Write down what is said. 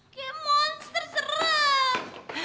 kayak monster serem